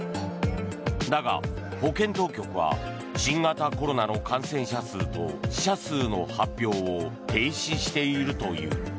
だが、保健当局は新型コロナの感染者数と死者数の発表を停止しているという。